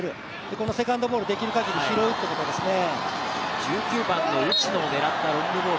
このセカンドボール、できるかぎり拾うということですね。